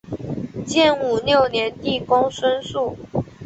建武六年帝公孙述。